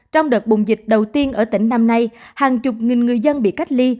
trong đợt bùng dịch đầu tiên ở tỉnh năm nay hàng chục nghìn người dân bị cách ly